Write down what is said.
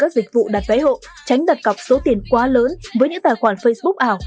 dụ đặt vé hộ tránh đặt cọc số tiền quá lớn với những tài khoản facebook ảo